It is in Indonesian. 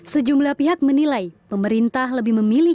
sejumlah pihak menilai pemerintah lebih memilih